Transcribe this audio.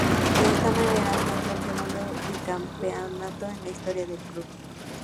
De esta manera alcanzó el segundo bicampeonato en la historia del club.